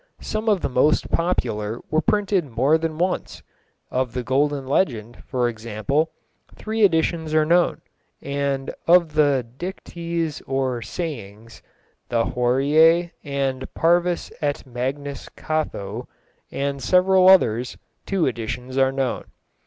Some of the most popular were printed more than once; of the Golden Legend, for example, three editions are known, and of the Dictes or Sayings, the Horæ, and Parvus et Magnus Catho, and several others, two editions are known.